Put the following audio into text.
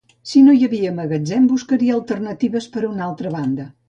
Si no hi havia magatzem buscaria alternatives per una altra banda